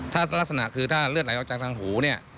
ถ้ารักษณะคือถ้าเลือดไหลออกจากทางหูเนี่ย